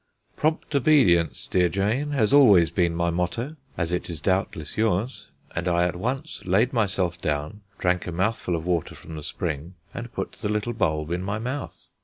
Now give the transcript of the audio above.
Prompt obedience, dear Jane, has always been my motto, as it is doubtless yours, and I at once laid myself down, drank a mouthful of water from the spring, and put the little bulb in my mouth.